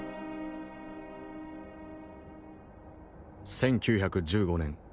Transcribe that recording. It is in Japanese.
１９１５年。